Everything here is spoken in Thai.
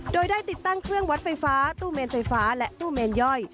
โดยได้ติดตั้งเครื่องวัดไฟฟ้าตู้เมนไฟฟ้าและตู้เมนย่อย